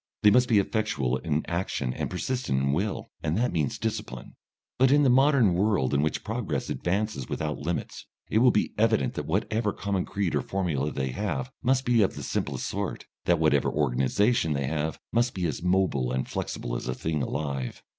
They must be effectual in action and persistent in will, and that means discipline. But in the modern world in which progress advances without limits, it will be evident that whatever common creed or formula they have must be of the simplest sort; that whatever organisation they have must be as mobile and flexible as a thing alive.